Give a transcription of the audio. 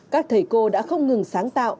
các thầy cô đã không ngừng sáng tạo